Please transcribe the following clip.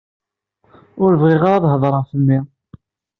Ur bɣiɣ ara ad heḍṛeɣ ɣef mmi.